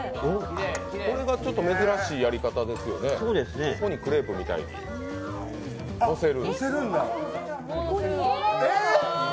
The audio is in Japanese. これがちょっと珍しいやり方ですよね、クレープみたいにのせる。